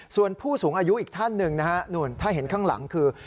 ส่วนผู้สูงอายุอีกท่านหนึ่งนะฮะนู่นถ้าเห็นข้างหลังคือ